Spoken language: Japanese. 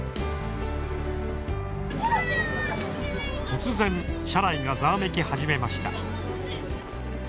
突然車内がざわめき始めました。